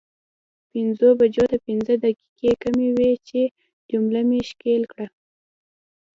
پنځو بجو ته پنځه دقیقې کمې وې چې جميله مې ښکل کړه.